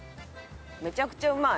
めちゃくちゃうまい。